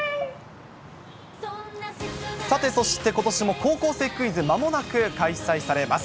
さて、そしてことしも高校生クイズ、まもなく開催されます。